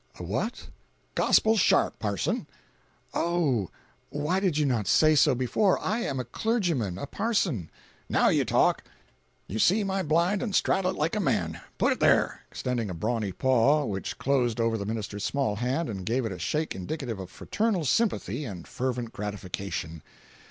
"A what?" "Gospel sharp. Parson." "Oh! Why did you not say so before? I am a clergyman—a parson." "Now you talk! You see my blind and straddle it like a man. Put it there!"—extending a brawny paw, which closed over the minister's small hand and gave it a shake indicative of fraternal sympathy and fervent gratification.